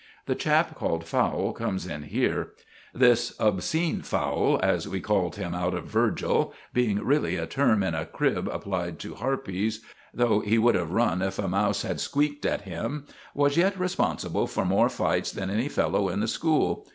The chap called Fowle comes in here. This "obscene Fowle," as we called him out of Virgil, being really a term in a crib applied to harpies, though he would have run if a mouse had squeaked at him, was yet responsible for more fights than any fellow in the school.